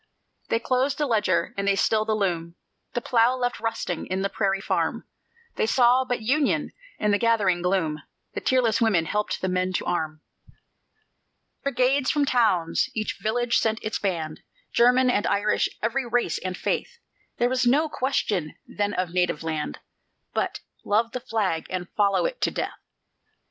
They closed the ledger and they stilled the loom, The plough left rusting in the prairie farm; They saw but "Union" in the gathering gloom; The tearless women helped the men to arm; Brigades from towns each village sent its band: German and Irish every race and faith; There was no question then of native land, But love the Flag and follow it to death.